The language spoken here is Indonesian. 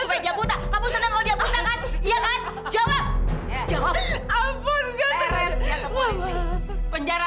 tante apa apa lira